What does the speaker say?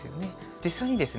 実際にですね